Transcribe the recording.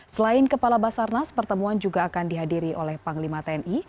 selain kepala basarnas pertemuan juga akan dihadiri oleh panglima tni